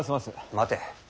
待て。